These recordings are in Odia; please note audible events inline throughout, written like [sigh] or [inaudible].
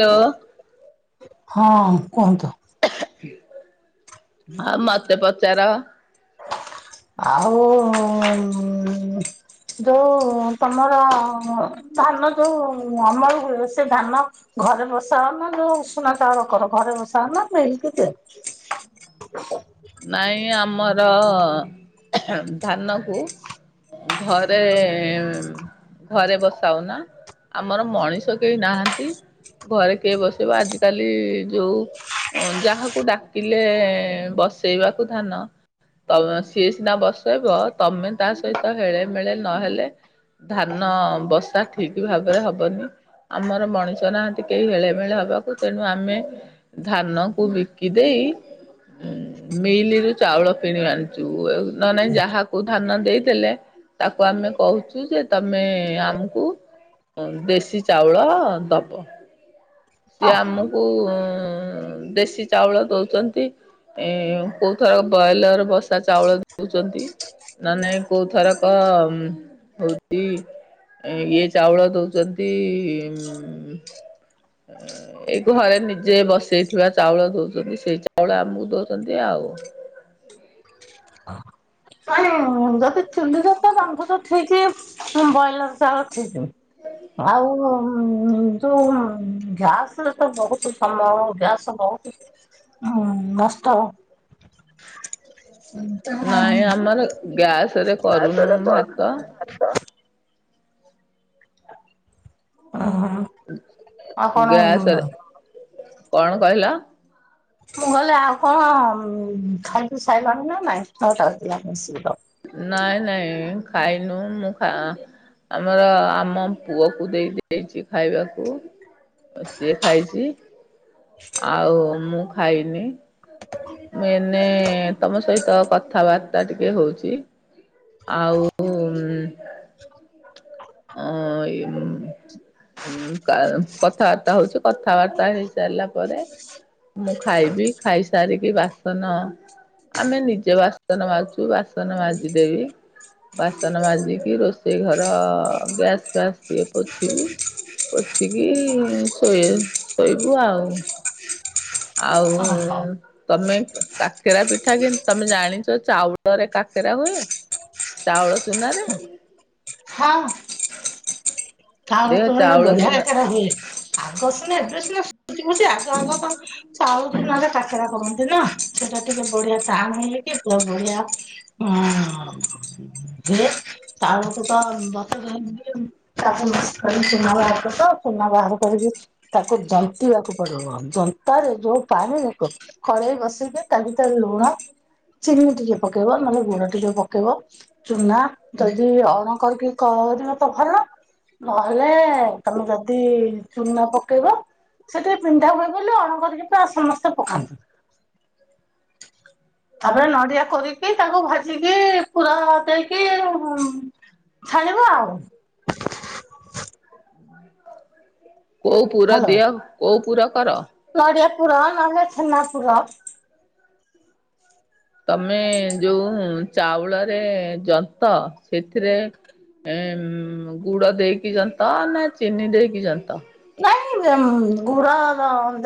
ହ୍ୟାଲୋ। ହଁ କୁହନ୍ତୁ। ଆଉ ମତେ ପଚାର? ଆଉ ଯୋଉ ତମର ଧାନ ଯୋଉ ଅମଳ ହୁଏ ସେ ଧାନ ଘରେ ବସାଓ ନା ଯଉ ଉସୁନା ଚାଉଳ କର। ଘରେ ବସାଅ ନା। [unintelligible] [inaudible] ନାଇଁ ଆମର ଧାନ କୁ ଘରେ ଘରେ ବସାଉ ନା ଆମର ମଣିଷ କେହି ନାହାନ୍ତି। ଘରେ କିଏ ବସେଇବ ଆଜିକାଲି ଯୋଉ ଯାହାକୁ ଡାକିଲେ ବସେଇବାକୁ ଧାନ ତ ସିଏ ସିନା ବସେଇବ ତମେ ତା ସହିତ ହେଳେ ମେଳେ ନହେଲେ ଧାନ ବସା ଠିକ୍ ଭାବରେ ହବନି। ଆମର ମଣିଷ ନାହାନ୍ତି କେହି ହେଳେ ମେଳେ ହବାକୁ। ତେଣୁ ଆମେ ଧାନ କୁ ବିକି ଦେଇ ଇ [inaudible] ମିଲରୁ ଚାଉଳ କିଣି ଆଣିଚୁ। ନହେଲେ ନାଇଁ ଯାହାକୁ ଧାନ ଦେଇଦେଲେ ତାକୁ ଆମେ କହୁଚୁ ଯେ ତମେ ଆମକୁ ଦେଶୀ ଚାଉଳ ଦବ। ଅ ସିଏ ଆମକୁ ଦେଶୀ ଚାଉଳ ଦଉଛନ୍ତି। ଏ କୋଉ ଥର ବ୍ରଏଲର ବସା ଚାଉଳ ଦଉଛନ୍ତି। ନା ନାଇଁ କୋଉ ଥରକ ହଉଚି ଇଏ, ଚାଉଳ ଦଉଚନ୍ତି-ଇ-ଉମ ଏଇ ଘରେ ନିଜେ ବସେଇଥିବା ଚାଉଳ ଦଉଛନ୍ତି। ସେଇ ଚାଉଳ ଆମକୁ ଦଉଛନ୍ତି ଆଉ। [inaudible] ହୁଁ, ଯଦି ଚୁଲିରେ ତ ରାନ୍ଧୁଛ ଠିକି। ବ୍ରଏଲର ଚାଉଳ ଠିକି। ଆଉ ଉଁ, ଉଁ-ଉଁ ଯୋଉଁ ଗ୍ୟାସ୍ ତ ବହୁତୁ ସମୟ! ଗ୍ୟାସ୍ ବହୁତୁ ହୁଁ, ମସ୍ତ ନାଇଁ ତେଣୁ-ଉଁ ଆମର ଗ୍ୟାସ ରେ ଆଉ, କରୁନୁ ସେଟା ଭାତ କରୁନୁ ଚାଷ! ଅହ। ଗ୍ୟାସ୍ ରେ। କଣ କହିଲ? ମୁଁ ଗଲେ, ଆଉ କଣ ଅମ୍ ଖାଇ ପିଇ ସାଇଲାଣି ନା ନାଇଁ? ନଅ' ଟା ବାଜିଲାଣି ଆସିକି ହ ନାଇଁ, ନାଇଁ ଖାଇନୁ ମୁଁ ଖା ଆମର, ଆମ ପୁଅକୁ ଦେଇ ଦେଇଛି ଖାଇବାକୁ। ସିଏ ଖାଇଛି। ଆଉ, ମୁଁ ଖାଇନି। ମୁଁ ଏନେ, ତମ ସହିତ କଥାବାର୍ତ୍ତା ଟିକେ ହଉଛି। ଆଉ ଉମ୍ ଅ ଇମ୍। କା କଥାବାର୍ତ୍ତା ହଉଛି, କଥାବାର୍ତ୍ତା ହେଇ ସାରିଲା ପରେ ମୁଁ ଖାଇବି। ଖାଇସାରିକି ବାସନ ଆମେ ନିଜେ ବାସନ ମାଜୁଛୁ, ବାସନ ମାଜିଦେବି। ବାସନ ମାଜିକି ରୋଷେଇ ଘର ଗ୍ୟାସ୍ ଫ୍ୟାସ୍ ଟିକେ ପୋଛିିବି। ପୋଛିକିି-ଇ ଶୋଇ ଶୋଇବୁ ଆଉ। ଓହୋ ଆଉ-ଉଁ ତମେ କାକେରା ପିଠା କିଁ! ତମେ ଜାଣିଛ ଚାଉଳରେ କାକେରା ହୁଏ। ଚାଉଳ ଚୁନାରେ! ହଁ। ଚାଉଳ ଦିଅ ଚୂନା ରେ ଚାଉଳ ବଢିଆ ଚୁନା କେରା ହୁଏ। ଆଗ ସିନା ଏବେ ସିନା ସୁ କୁଚି କୁଚି, ଆଗ ଆଗ ତ ଚାଉଳ ଚୂନା ରେ କାକେରା କରନ୍। ତେନା ସେଟା ଟିକେ ବଢିଆ ଚାମିନ୍ ହେଇଚି। ପ୍ଲସ ବଢିଆ ଉମ୍-ଉ-ଉଁ ଯେ, ତା ବେଳକୁ ତ ବତ [unintelligible] ତା। [inaudible] ଚୁନା ବାହାର କରଦବ, ଚୁନା ବାହାର କରିକି ତାକୁ ଜନ୍ତିବାକୁ ପଡିବ। ଜନ୍ତା ରେ, ଯୋଉ ପାଣି ରେ ଖ-ଖଳେଇ ବସେଇଦେ, ତା ଭିତରେ ଲୁଣ ଚିନି ଟିକେ ପକେଇବ। ନହେଲେ, ଗୁଡ ଟିକେ ପ ଥିବ, ଚୁନା ଯଦି ଅଣ କରିକିି କରିବ ତ ଭଲ! ନହେଲେ, ତମେ ଯଦି ଚୁନା ପକେଇବ ସେଠି ପିନ୍ଧା ହୁଏ ବୋଲି, ଅଣ କରିକି ପାଏ ସମସ୍ତେ ପକାନ୍ତି। ତା'ପରେ ନଡିଆ କୋରିକି, ତାକୁ ଭାଜିକି, ପୁର ଦେଇକି ଉଁ ଛାଣିବ ଆଉ। ଉ କୋଉ ପୁର ଦିଅ? କୋଉ ପୁର? କର? ନଡ଼ିଆ ପୁର ନହେଲେ, ଛେନା ପୁର! ତମେ ଯୋଉଁ ଚାଉଳରେ ଯନ୍ତ, ସେଥିରେ ଏମ୍ ଗୁଡ ଦେଇକି ଯନ୍ତ ନା ଚିନି ଦେଇକି ଯନ୍ତ? [unintelligible] ଗୁଡ-ଅ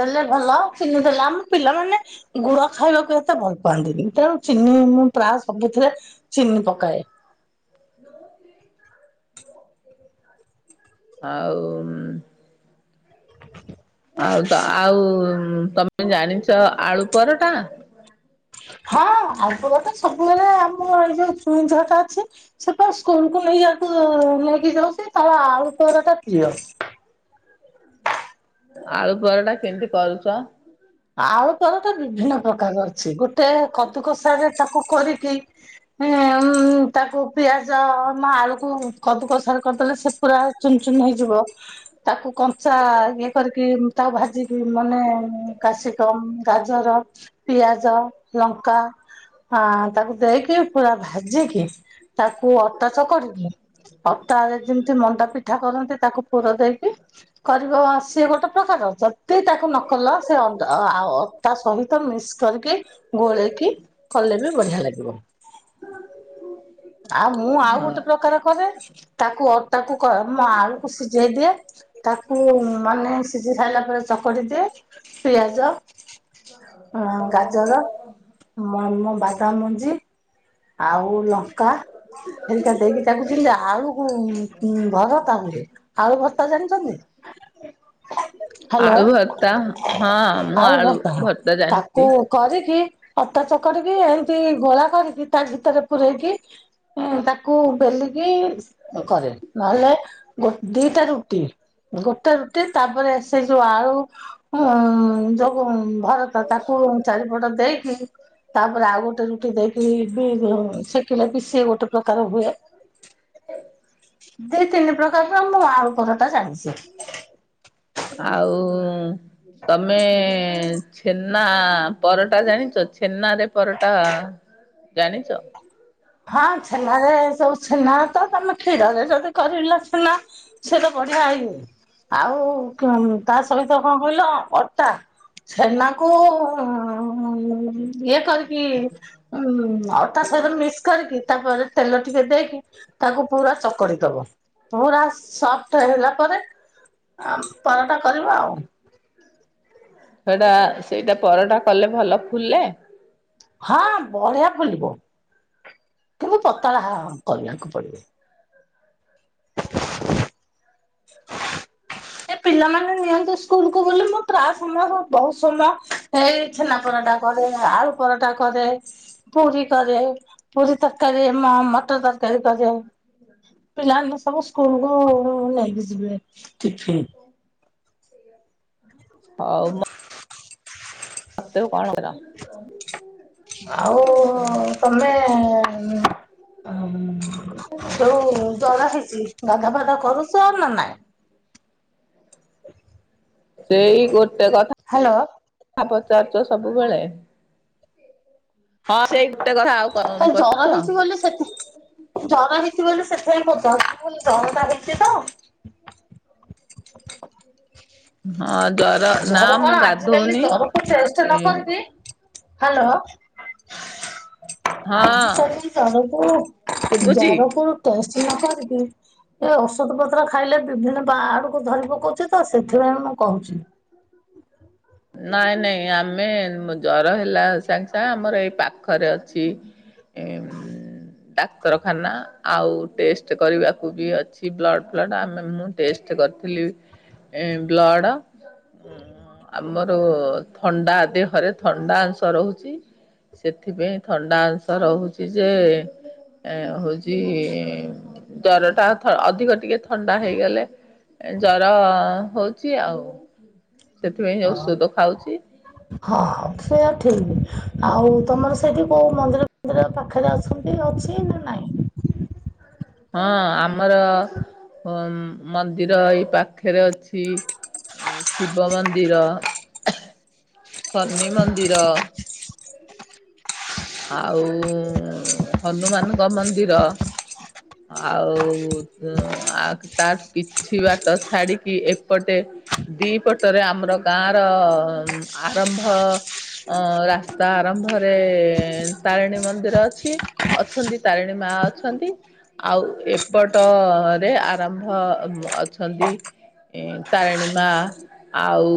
ଦେଲେ ଭଲ ଚିନି ଦେଲେ, ଆମ ପିଲାମାନେ ଗୁଡ ଖାଇବାକୁ ଏତେ ଭଲ ପାଆନ୍ତିନି, ତ ଚିନି ମୁଁ ପ୍ରାୟ ସବୁଥିରେ ଚିନି ପକାଏ। ଆଉ-ଉଁମ୍। ଆଉ, ତ ଆଉ-ଉଁମ୍ ତମେ ଜାଣିଛ ଆଳୁ ପରଟାଁ? ହଁ, ଆଗରୁ ତ ସବୁବେଳେ ଆମ ଏଇ ଯୋଉ, ଚୁଇଁ ଝିଅଟା ଅଛି, ସେ ପା ସ୍କୁଲକୁୁ ନେଇ ତାକୁ-ଉ ନେଇକି ଯାଉଛି। ତାର ଆଳୁ ପରଟା ପ୍ରିୟ। ଆଳୁ ପରଟା କେମିତି କରୁଚ? ଆଳୁ ପରଟା ବିଭିନ୍ନ ପ୍ରକାର ଅଛି। ଗୋଟେ କଦୁକଷାରେ ତାକୁ କରିକି ଉ ମ ତାକୁ ପିଆଜ ମ ଆଳୁକୁ କଦୁକଷା କରିଦେଲେ ସେ ପୁରା ଚୁନ ଚୁନ ହେଇଯିବ, ତାକୁ କଞ୍ଚା ଇଏ କରିକି ତାକୁ ଭାଜିକି ମାନେ ମୁଁ କାସିକମ, ଗାଜର, ପିଆଜ, ଲଙ୍କା ଆ ତାକୁ ଦେଇକି ପୁରା ଭାଜିକି, ତାକୁ ଅଟା ଚକଡିକି ଅଟାରେ ଯେମିତି ମଣ୍ଡା ପିଠା କରନ୍ତି, ତାକୁ ପୁର ଦେଇକି କରିବ ସିଏ ଗୋଟେ ପ୍ରକାର ଯଦି ତାକୁ ନ କଲ ସେ ଅ ଦ ଆ ଅଟା ସହିତ ମିକ୍ସ କରିକି ଗୋଳେଇକି କଲେ ବି ବଢିଆ ଲାଗିବ। [inaudible] ଆଉ ମୁଁ ଆଉ ହଁ ଗୋଟେ ପ୍ରକାର କରେ, ତାକୁ ଅଟାକୁ କ ମୁଁ ଆଳୁକୁ ସିଝେଇ ଦିଏ ତାକୁ ମାନେ ସିଝି ସାଇଲା ପରେ, ଚକଡି ଦିଏ, ପିଆଜ ଅ ଗାଜର ମ ମ ବାଦାମମଞ୍ଜି ଆଉ ଲଙ୍କା ହେରିକା ଦେଇକି ତାକୁ ଯେମିତି ଆଳୁକୁ ଉଁ ଭରତା ହୁଏ, ଆଳୁ ଭରତା ଜାଣିଛନ୍ତି? [unintelligible] ଆଳୁ ହ୍ୟାଲୋ। ଭର୍ତ୍ତା ହଁ, ମୁଁ ଆଳୁ ଭର୍ତ୍ତା ଜାଣିଛି। ତାକୁ କରିକି, ଅଟା ଚକଟିକି, ଏମିତି ଗୋଳା କରିକି ତା ଭିତରେ ପୁରେଇକି ତାକୁ ବେଲିକି କରେ, ନହେଲେ ନାଇଁ ଗୋ ଦିଟା ରୁଟି ଗୋଟେ ରୁଟି ତାପରେ ସେ ଯୋଉ ଆଳୁ ମୁଁ ଯୋଉଁ ଭର ତାକୁ ଚାରିପଟ ଦେଇକି, ତାପରେ ଆଉ ଗୋଟେ ରୁଟି ଦେଇକି ବି ସେ କିଲେ ବିି ସେ ଗୋଟେ ପ୍ରକାର ହୁଏ ଦି ତିନି ପ୍ରକାରର ମୁଁ ଆଳୁ ପରଟା ଜାଣିଛି। ଆଉ ଉଁ ତମେ ଛେନା ପରଟା ଜାଣିଚ? ଛେନା ରେ ପରଟା ଜାଣିଚ? ହଁ ଛେନାରେ, ସବୁ ଛେନା ତ ତମେ କ୍ଷୀରରେ ଯଦି କରିଲ ଛେନା ସେ ତ ବଢିଆ ଇଏ, ଆଉ ତା ସହିତ କଣ କହିଲ ଅଟା ଛେନାକୁ ଉଁ ଇଏ କରି କି ଉଁ ଅଟା ସହିତ ମିକ୍ସ କରିକି, ତାପରେ ତେଲ ଟିକେ ଦେଇକି ତାକୁ ପୁରା ଚକଡି ଦବ। ପୁରା ସଫ୍ଟ ହେଲା ପରେ ଆ ପରଟା କରିବା ଆଉ ସେଟା, ସେଇଟା ପରଟା କଲେ ଭଲ ଫୁଲେ? ହଁ ବଢିଆ ଫୁଲିବ। କିନ୍ତୁ ପତଳା ହ କରିବାକୁ ପଡିବ। [unintelligible] ଏ ପିଲାମାନେ ନିଅନ୍ତୁ ସ୍କୁଲ କୁ ବୋଲି, ମୁଁ ପ୍ରାୟ ସମୟ ବହୁତ ସମୟ, ଏଇ ଛେନାପୋଡ ଟା। କରେ, ଆଳୁ ପରଟା କରେ, ପୁରୀ କରେ ପୁରୀ ତ ତରକାରୀ ମ-ମଟର ତରକାରୀ କରେ। ପିଲାମାନେ ସବୁ ସ୍କୁଲ କୁ ନେଇକି ଯିବେ ଟିଫିନ। ହଉ ମ ମତେ ଆଉ କଣ ପଚାର। [unintelligible] ଆଉ ତମେ ଉ ଯୋଉ ଜର ହେଇଛି, ଗାଧା ପାଧା କରୁଚ ନା ନାଇଁ? ସେଇ ଗୋଟେ ହ୍ୟାଲୋ କଥା ପଚାରୁଚ ସବୁବେଳେ। ହଁ ସେଇ ଗୋଟେ କଥା ଆଉ ଜର ପଚାରୁଛ? ହେଇଛି ବୋଲି ସେ ଜର ହେଇଛି ବୋଲି ସେଥିପାଇଁ ପଚାରୁଚି, ମୁଁ କହିଲି ଜର ତ ହେଇଚି ତ! [unintelligible] ହଁ। ଜର ନା ମୁଁ କଣ ଆଜି କାଲି ଗାଧଉନି ଜରକୁ, ଟେଷ୍ଟ ଏ ନ କରିିକି ହାଲୋ। ହଁ [unintelligible] ଶୁଭୁଛି ଜର କୁ ଟେଷ୍ଟ ନ କରିକି ଏ ଔଷଧ ପତ୍ର ଖାଇଲେ ବିଭିନ୍ନ ବାଁ ଆଡକୁ ଧରି ପକଉଛି ତ ସେଥିଲାଗି ମୁଁ କହୁଛି। [inaudible] ନାଇଁ ନାଇଁ ଆମେ ଜର ହେଲା ସାଙ୍ଗେ ସାଙ୍ଗେ ଆମର ଏଇ ପାଖରେ ଅଛି। [unintelligible] ଡାକ୍ତରଖାନା। ଆଉ ଟେଷ୍ଟ କରିବାକୁ ବି ଅଛି ବ୍ଲଡ଼୍ ଫ୍ଲଡ଼୍ ଆମେ ମୁଁ ଟେଷ୍ଟ କରିଥିଲି। ଏ ବ୍ଲଡ [inaudible] ଆମର ଥଣ୍ଡା ଦେହରେ ଥଣ୍ଡା ଅଂଶ ରହୁଚି। ସେଥିପାଇଁ ଥଣ୍ଡା ଅଂଶ ରହୁଛି ଯେ ଏ ହଉଛି ଜର ଟା ଅ-ଅଧିକ ଟିକେ ଥଣ୍ଡା ହେଇଗଲେ ଜର ହଉଛି ଆଉ। ସେ ହଁ ହଁ ସେ ଆଉ ତମର ସେଇଠି କୋଉ ମନ୍ଦିର ଫନ୍ଦିର ପାଖରେ ଅଛନ୍ତି ଅଛି ନା ନାଇଁ? [inaudible] ହଁ ଆମର ମନ୍ଦିର ଅମ ଏଇ ପାଖରେ ଅଛି। ଶିବ ମନ୍ଦିର। [inaudible] ଶନି ମନ୍ଦିର। ଆଉ ହନୁମାନଙ୍କ ମନ୍ଦିର। ଆଉ ତାଠୁ କିଛି ବାଟ ଛାଡିକି ଏପଟେ ଦି ପଟରେ ଆମର ଗାଁ ର ଆରମ୍ଭ ଅ ରାସ୍ତା ଆରମ୍ଭରେ ତାରିଣୀ ମନ୍ଦିର ଅଛି। ଅଛନ୍ତି ତାରିଣୀ ମା ଅଛନ୍ତି। ଆଉ ଏପଟ ରେ ଆରମ୍ଭ ଅଛନ୍ତି ତାରିଣୀ ମା ଆଉ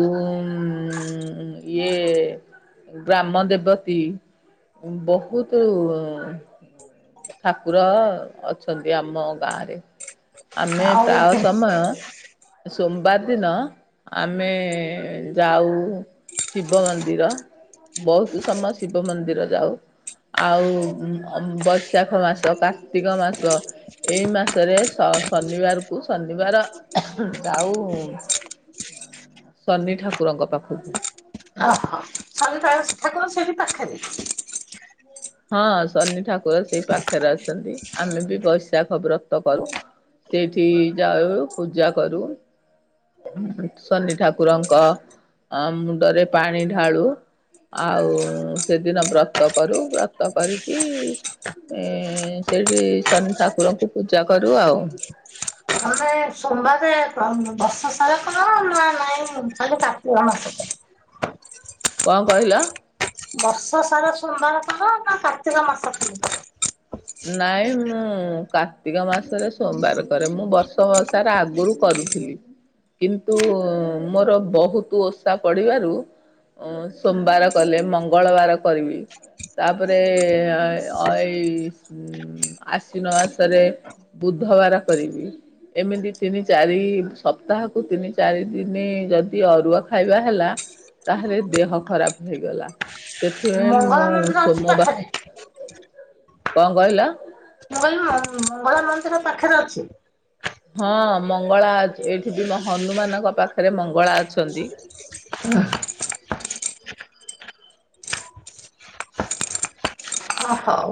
ଇଏ ଗ୍ରାମ ଦେବତୀ ବହୁତୁ ଠାକୁର ଅଛନ୍ତି ଆମ ଗାଁରେ। ଆମେ ଆଉ ପ୍ରାୟ ସମୟ ସୋମବାର ଦିନ ଆମେ ଯାଉ। ଶିବ ମନ୍ଦିର ବହୁତ ସମୟ ଶିବ ମନ୍ଦିର ଯାଉ। ଆଉ ବୈଶାଖ ମାସ କାର୍ତ୍ତିକ ମାସ ଏଇ ମାସରେ ସ ଶନିବାର କୁ ଶନିବାର ଯାଉ ଶନି ଠାକୁରଙ୍କ ପାଖକୁ ଓ ହୋ। ଆମର ସେଠି ପାଖରେ। ହଁ ଶନି ଠାକୁର ସେଇ ପାଖରେ ଅଛନ୍ତି। ଆମେ ବି ବୈଶାଖ ବ୍ରତ କରୁ। ସେଠି ଯାଉ ପୂଜା କରୁ। ଶନି ଠାକୁରଙ୍କ ମୁଣ୍ଡରେ ପାଣି ଢାଳୁ। ଆଉ ସେଦିନ ବ୍ରତ କରୁ। ବ୍ରତ କରିକି ଏ ସେଇଠି ଶନି ଠାକୁରଙ୍କୁ ପୂଜା କରୁ ଆଉ। [unintelligible] ସୋମବାରେ ବର୍ଷ ସାରା କର ନା ନାଇଁ ଖାଲି କାର୍ତ୍ତିକ ମାସରେ? କଣ କହିଲ? ବର୍ଷ ସାରା ସୋମବାର କର ନା କାର୍ତ୍ତିକ ମାସ ଖାଲି? ନାଇଁ ମୁଁ କାର୍ତ୍ତିକ ମାସରେ ସୋମବାର କରେ। ମୁଁ ବର୍ଷ ସାରା ଆଗରୁ କ କିନ୍ତୁ ମୋର ବହୁତ ଓଷା ପଡିବାରୁ ସୋମବାର କଲେ ମଙ୍ଗଳବାର କରିବି। ତାପରେ ଏଇ ଆଶ୍ଵିନ ମାସରେ ବୁଧବାର କରିବି। ଏମିତି ତିନି ଚାରି ସପ୍ତାହକୁ ତିନି ଚାରି ଦିନ ଯଦି ଅରୁଆ ଖାଇବା ହେଲା। ତାହେଲେ ଦେହ ଖରାପ ହେଇଗଲା କର ସେଥିପାଇଁ ମୁଁ ମଙ୍ଗଳା ମନ୍ଦିର ଅଛି ସୋମ ବା ପାଖରେ କଣ କହିଲ? ମଙ୍ଗଳ ମନ୍ଦିର ପାଖରେ ଅଛି। ହଁ ମଙ୍ଗଳା ଛି ଏଇଠି ବି ହନୁମାନଙ୍କ ପାଖରେ ମଙ୍ଗଳା ଅଛନ୍ତି। ହ ଓ ହଉ।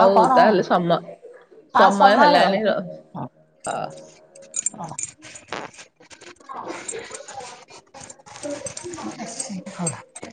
ଆଉ କଣ ତାହେଲେ ସମ ଆ ସମୟ ହେଲାଣି ହେଇଗଲା। ର ହଁ। ହ ହ ହଁ। [inaudible]